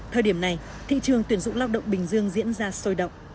thời điểm này thị trường tuyển dụng lao động bình dương diễn ra sôi động